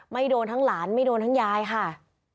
ไม่โดนทั้งหลานไม่โดนทั้งยายค่ะ